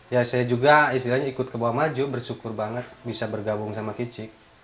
ya saya juga istilahnya ikut ke bawah maju bersyukur banget bisa bergabung sama kicik